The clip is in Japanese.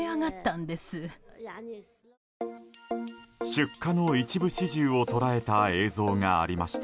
出火の一部始終を捉えた映像がありました。